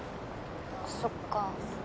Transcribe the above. そっか。